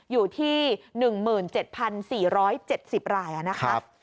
อยู่ที่๑๗๔๗๐รายนะครับ